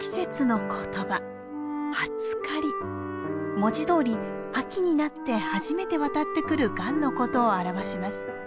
文字どおり秋になって初めて渡ってくるガンのことを表します。